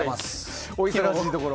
お忙しいところ。